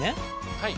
はい。